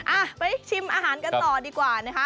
อ่ะไปชิมอาหารกันต่อดีกว่านะคะ